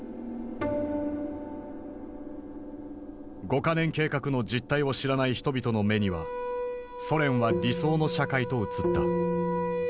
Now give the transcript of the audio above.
五か年計画の実態を知らない人々の目にはソ連は理想の社会と映った。